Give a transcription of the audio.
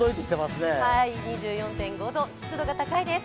２４．５度、湿度が高いです。